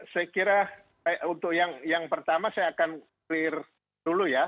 saya kira untuk yang pertama saya akan clear